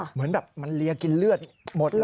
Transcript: เหมือนแบบมันเลียกินเลือดหมดเลย